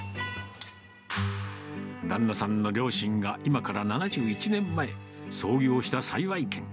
旦那さんの両親が今から７１年前、創業した幸軒。